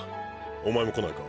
お前も来ないか？